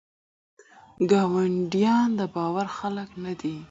ګاونډیان دباور خلګ نه دي.